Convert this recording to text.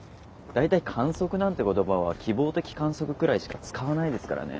大体「観測」なんて言葉は「希望的観測」くらいしか使わないですからね。